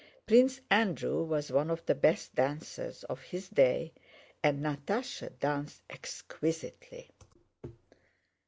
Prince Andrew was one of the best dancers of his day and Natásha danced exquisitely.